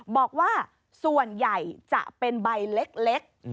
บอกว่าส่วนใหญ่จะเป็นใบเล็ก